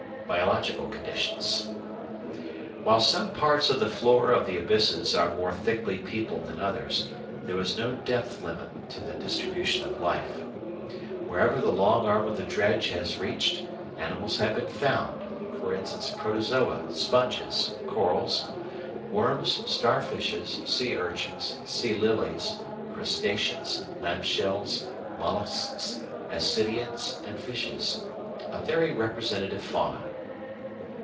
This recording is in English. Biological Conditions While some parts of the floor of the abysses are more thickly peopled than others, there is no depth limit to the distribution of life. Wherever the long arm of the dredge has reached, animals have been found, e.g. Protozoa, sponges, corals, worms, starfishes, sea urchins, sea lilies, crustaceans, lamp shells, molluscs, ascidians, and fishes a very representative fauna.